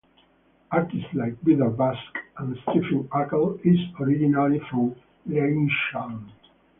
Artists like Vidar Busk and Stephen Ackels is originally from Langesund.